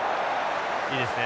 いいですね。